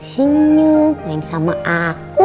senyum main sama aku